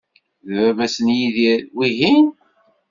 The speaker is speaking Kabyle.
D baba-s n Yidir, wihin?